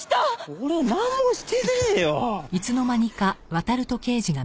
俺なんもしてねえよ。